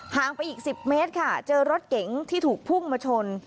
งไปอีก๑๐เมตรค่ะเจอรถเก๋งที่ถูกพุ่งมาชน